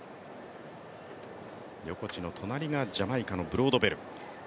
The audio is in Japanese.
横地の隣がジャマイカのブロードベル。